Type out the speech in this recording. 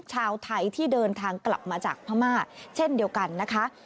ชาวไทยที่เดินทางกลับมาจากพม่าเช่นเดียวกันนะคะ